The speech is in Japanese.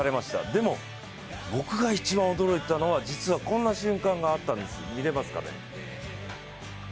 でも、僕が一番驚いたのは、実はこんな瞬間があったんです。